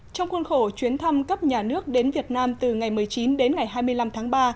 trong khuôn khổ chuyến thăm cấp nhà nước đến việt nam từ ngày một mươi chín đến ngày hai mươi năm tháng ba